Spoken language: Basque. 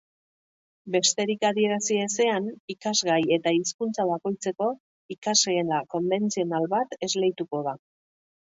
Besterik adierazi ezean, irakasgai eta hizkuntza bakoitzeko ikasgela konbentzional bat esleituko da.